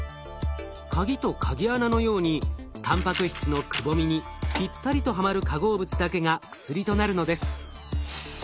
鍵と鍵穴のようにたんぱく質のくぼみにぴったりとはまる化合物だけが薬となるのです。